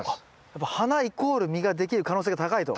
やっぱ花イコール実ができる可能性が高いと。